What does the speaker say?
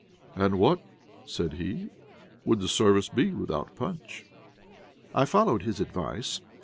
"And what," said he, "would the service be without punch?" I followed his advice.